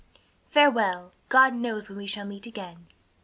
"Farewell, God knows when we shall meet again."